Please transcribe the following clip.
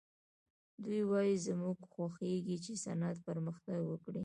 دوی وايي زموږ خوښېږي چې صنعت پرمختګ وکړي